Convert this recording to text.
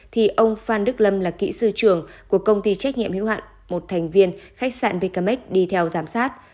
thì ông phan đức lâm là kỹ sư trưởng của công ty trách nhiệm hiếu hạn một thành viên khách sạn bkmex đi theo giám sát